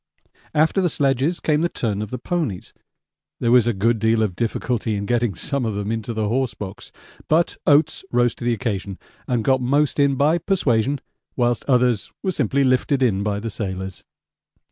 After the sledges came the turn of the ponies there was a good deal of difficulty in getting some of them into the horse box, but Oates rose to the occasion and got most in by persuasion, whilst others were simply lifted in by the sailors.